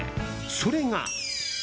それが。